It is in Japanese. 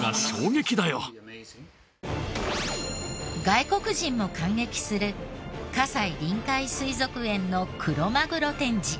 外国人も感激する西臨海水族園のクロマグロ展示。